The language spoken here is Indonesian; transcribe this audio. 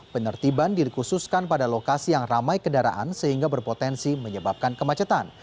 penertiban dikhususkan pada lokasi yang ramai kendaraan sehingga berpotensi menyebabkan kemacetan